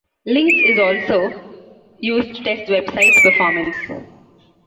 Lynx is also used to test web sites' performance.